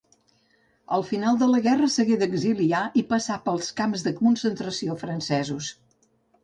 Al final de la guerra s'hagué d'exiliar i passà pels camps de concentració francesos.